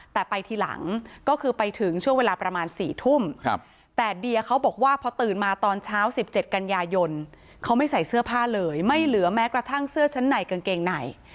แต่ไปทีหลังก็คือไปถึงช่วงเวลาประมาณ๔ทุ่มแต่เดียเขาบอกว่าพอตื่นมาตอนเช้า๑๗กันยายนเขาไม่ใส่เสื้อผ้าเลยไม่เหลือแม้กระทั่งเสื้อชั้นในกางเกงใน